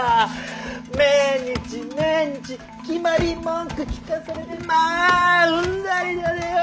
毎日毎日決まり文句聞かされてまううんざりだでよ。